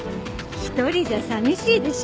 １人じゃ寂しいでしょ。